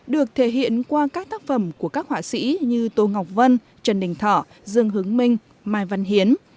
được thể hiện qua các tác phẩm của các họa sĩ như tô ngọc vân trần đình thỏ dương hứng minh mai văn hiến